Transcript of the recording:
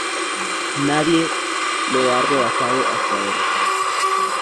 Nadie lo ha rebasado hasta ahora.